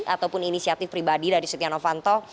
ataupun inisiatif pribadi dari setia novanto